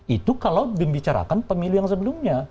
itu kalau membicarakan pemilu yang sebelumnya